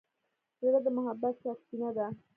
زړه د محبت سرچینه ده.